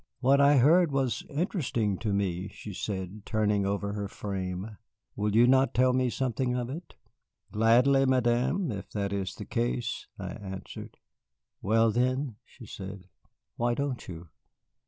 "What I heard was interesting to me," she said, turning over her frame. "Will you not tell me something of it?" "Gladly, Madame, if that is the case," I answered. "Well, then," she said, "why don't you?"